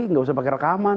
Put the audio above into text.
tidak usah pakai rekaman